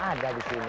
ada di sini